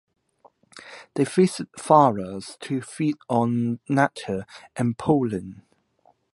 They visit flowers to feed on nectar and pollen.